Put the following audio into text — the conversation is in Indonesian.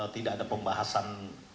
tidak ada pembahasan